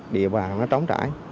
địa bà nó trống trải